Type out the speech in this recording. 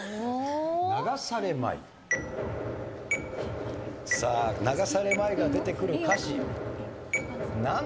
「流されまい」さあ「流されまい」が出てくる歌詞何でしょう？